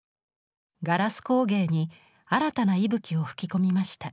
ガラス工芸に新たな息吹を吹き込みました。